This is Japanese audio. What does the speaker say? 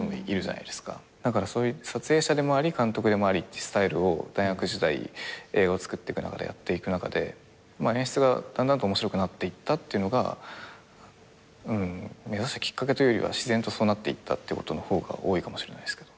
だからそういう撮影者でもあり監督でもありってスタイルを大学時代映画をつくっていく中でやっていく中で演出がだんだんと面白くなっていったっていうのが目指したきっかけというよりは自然とそうなっていったってことの方が多いかもしれないです。